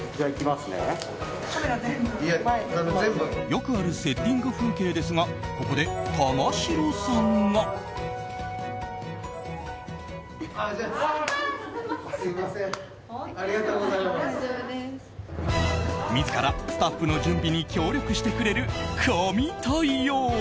よくあるセッティング風景ですがここで玉城さんが。自らスタッフの準備に協力してくれる神対応。